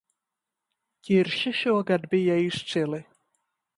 Ķirši šogad bija izcili